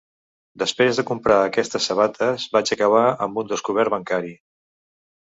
Després de comprar aquestes sabates, vaig acabar amb un descobert bancari